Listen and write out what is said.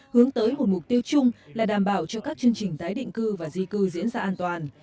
hướng tới một mục tiêu chung là đảm bảo cho các chương trình tái định cư và di cư diễn ra an toàn